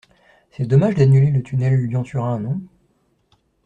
C'est dommage d'annuler le tunnel Lyon Turin, non?